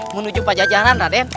menuju pajajaran raden